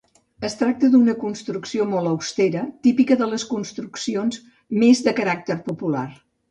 Es tracta d'una construcció molt austera, típica de les construccions més de caràcter popular.